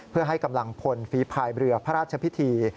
เพื่อให้กำลังพลฝีภายเรือพระราชพิธี